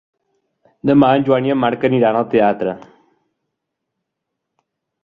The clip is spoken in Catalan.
Demà en Joan i en Marc aniran al teatre.